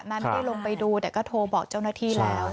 ไม่ได้ลงไปดูแต่ก็โทรบอกเจ้าหน้าที่แล้ว